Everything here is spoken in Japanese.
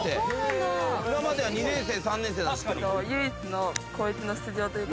今までは２年生３年生。